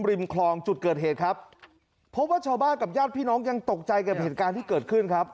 ริมคลองจุดเกิดเหตุครับเพราะว่าชาวบ้านกับญาติพี่น้องยังตกใจกับเหตุการณ์ที่เกิดขึ้นครับ